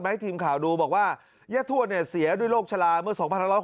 มาให้ทีมข่าวดูบอกว่ายัตถวรเสียด้วยโรคชะลาเมื่อ๒๑๖๓